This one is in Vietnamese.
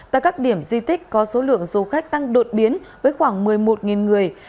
tại các điểm di tích có số lượng du khách tăng đột biến với khoảng một mươi một người